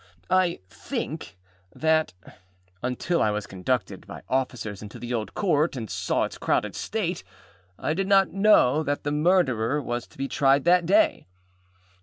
I think that, until I was conducted by officers into the Old Court and saw its crowded state, I did not know that the Murderer was to be tried that day.